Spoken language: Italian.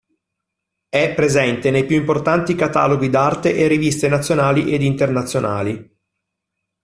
È presente nei più importanti cataloghi d'arte e riviste nazionali ed internazionali.